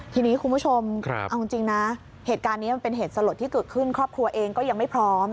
ทีนี้คุณผู้ชมเอาจริงนะเหตุการณ์นี้มันเป็นเหตุสลดที่เกิดขึ้นครอบครัวเองก็ยังไม่พร้อม